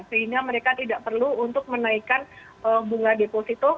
sehingga mereka tidak perlu untuk menaikkan bunga deposito